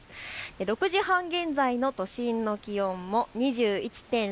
６時半現在の都心の気温も２１．３度。